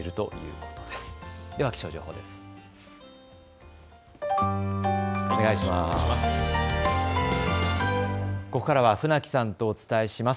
ここからは船木さんとお伝えします。